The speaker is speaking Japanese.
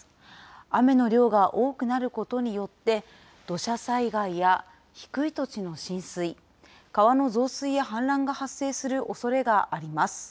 雨の量が多くなることによって、土砂災害や低い土地の浸水、川の増水や氾濫が発生するおそれがあります。